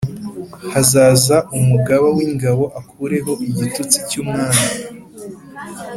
Hazaza umugaba w’ingabo akureho igitutsi cy’umwami